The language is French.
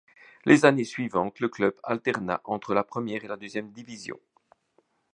Les années suivantes, le club alterna entre la première et la deuxième division.